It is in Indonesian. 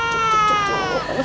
cukup cukup cukup